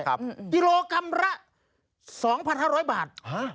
กิโลกรัมละ๒๕๐๐บาท